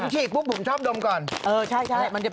ผมฉีกปุ๊บผมชอบดมก่อนเออใช่บางที